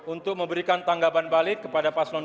untuk memberikan tanggapan balik kepada paslon dua